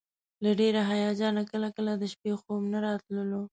له ډېر هیجانه کله کله د شپې خوب نه راتللو.